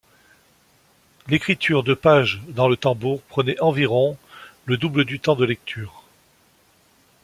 L'écriture de pages dans le tambour prenait environ le double du temps de lecture.